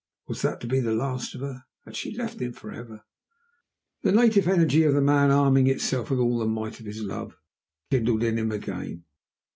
Was that to be the last of her? Had she left him forever? The native energy of the man, arming itself with all the might of his love, kindled in him again.